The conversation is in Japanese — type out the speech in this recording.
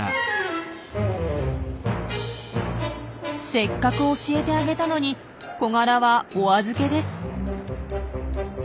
せっかく教えてあげたのにコガラはおあずけです。